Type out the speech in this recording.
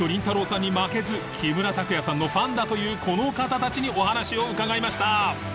さんに負けず木村拓哉さんのファンだというこの方たちにお話を伺いました